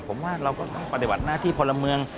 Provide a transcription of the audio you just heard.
ผมว่าเราก็ต้องปฏิบัติหน้าที่พลเมือง